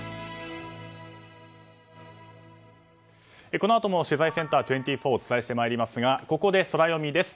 このあとも取材ｃｅｎｔｅｒ２４をお伝えしてまいりますがここで、ソラよみです。